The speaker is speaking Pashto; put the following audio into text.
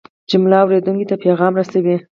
جمله اورېدونکي ته پیغام رسوي.